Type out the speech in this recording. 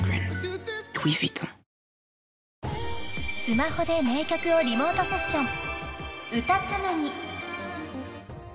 ［スマホで名曲をリモートセッション］